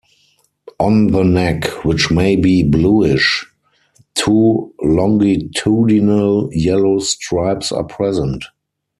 On the neck, which may be bluish, two longitudinal yellow stripes are present.